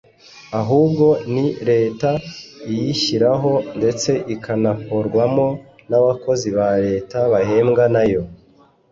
ahubwo ni Leta iyishyiraho ndetse ikanakorwamo n’abakozi ba Leta bahembwa nayo